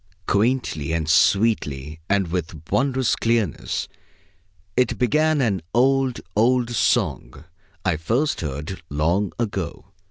Quaintly and sweetly and with wondrous clearness it began an old, old song I first heard long ago.